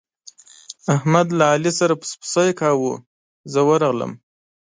احمد له علي سره پسپسی کاوو، زه ورغلم.